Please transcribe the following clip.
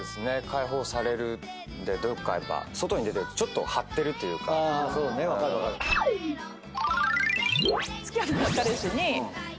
解放されるんでどっかやっぱ」「外に出てるとちょっと張ってるというか」「付き合ってた彼氏に」